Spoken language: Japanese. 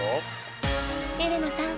エレナさん